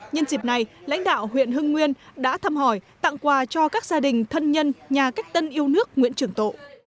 nhân dịp này lãnh đạo huyện hưng nguyên đã thăm hỏi tặng quà cho các gia đình thân nhân nhà cách tân yêu nước nguyễn trường tộ